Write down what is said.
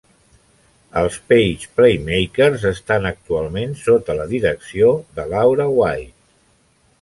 Els Page Playmakers estan actualment sota la direcció de Laura White.